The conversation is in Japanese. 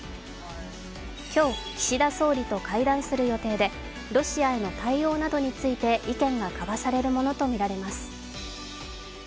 今日、岸田総理と会談する予定でロシアへの対応などについて意見が交わされるものとみられます。